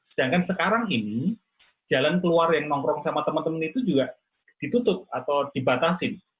sedangkan sekarang ini jalan keluar yang nongkrong sama teman teman itu juga ditutup atau dibatasin